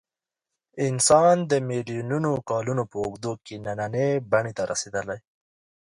انسان د میلیونونو کلونو په اوږدو کې نننۍ بڼې ته رارسېدلی.